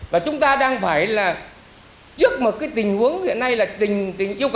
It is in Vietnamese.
và chúng ta đang phải là trước một tình huống hiện nay là tình yêu